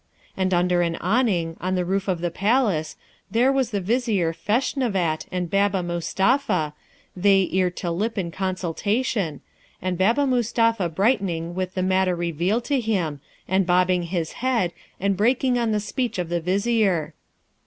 And under an awning, on the roof of a palace, there was the Vizier Feshnavat and Baba Mustapha, they ear to lip in consultation, and Baba Mustapha brightening with the matter revealed to him, and bobbing his head, and breaking on the speech of the Vizier.